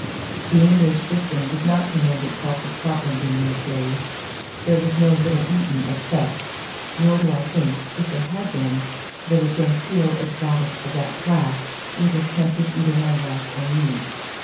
The English system did not commend itself to Scotland in these days. There was no little Eton at Fettes; nor do I think, if there had been, that a genteel exotic of that class would have tempted either my wife or me.